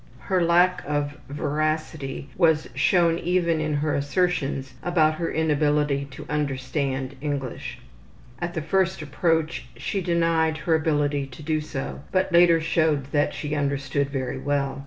Her lack of veracity was shown even in her assertions about her inability to understand English. At the first approach she denied her ability to do so, but later showed that she understood very well.